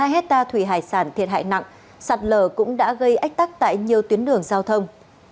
một mươi hai hecta thủy hải sản thiệt hại nặng sạt lở cũng đã gây ách tắc tại nhiều tuyến đường giao thông